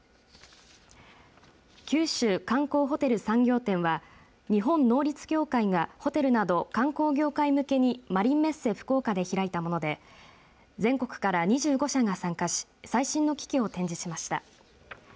九州観光・ホテル産業展は日本能率協会がホテルなど観光業界向けにマリンメッセ福岡で開いたもので全国から２５社が参加し最新の機器を展示しました。